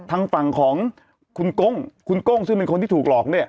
ทางฝั่งของคุณก้งคุณโก้งที่ถูกหลอกเนี่ย